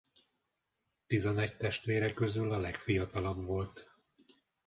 Tizenegy testvére közül a legfiatalabb volt.